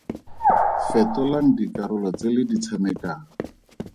Fetolang dikarolo tse le di tshamekang.